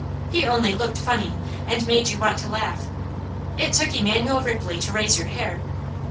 He only looked funny, and made you want to laugh. It took Emanuel Ripley to raise your hair.